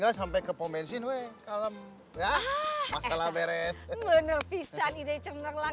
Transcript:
gak sampai ke pom bensin weh kalem ya masalah beres menepisan ide cemerlang